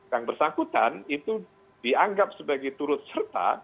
yang bersangkutan itu dianggap sebagai turut serta